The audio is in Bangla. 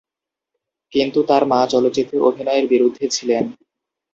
কিন্তু তাঁর মা চলচ্চিত্রে অভিনয়ের বিরুদ্ধে ছিলেন।